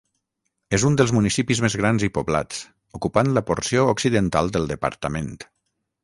És un dels municipis més grans i poblats, ocupant la porció occidental del departament.